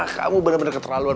kamu bener bener keterlaluan